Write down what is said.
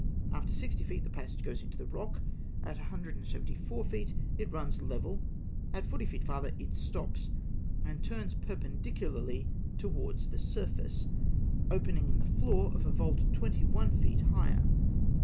After 60 feet, the passage goes into the rock; at 174 feet it runs level; at 40 feet farther it stops, and turns perpendicularly towards the surface, opening in the floor of a vault twenty one feet higher (fig.